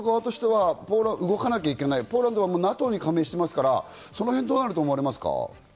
でもポーランド側としては動かなきゃいけない、ポーランドはＮＡＴＯに加盟してますから、そのへんどうなると思われますか？